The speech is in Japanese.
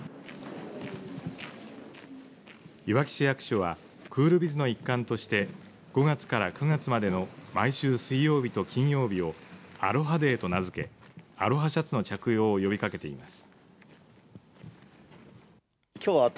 いわき市役所はクールビズの一環として５月から９月までの毎週水曜日と金曜日をアロハデーと名付けアロハシャツの着用を呼びかけています。